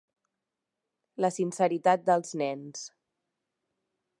La sinceritat dels nens.